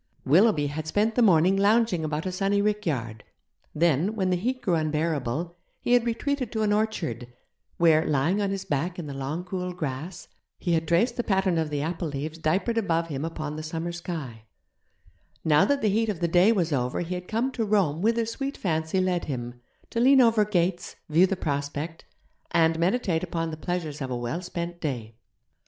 Willoughby had spent the morning lounging about a sunny rickyard; then, when the heat grew unbearable, he had retreated to an orchard, where, lying on his back in the long cool grass, he had traced the pattern of the apple leaves diapered above him upon the summer sky; now that the heat of the day was over he had come to roam whither sweet fancy led him, to lean over gates, view the prospect, and meditate upon the pleasures of a well spent day.